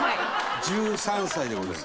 １３歳でございます。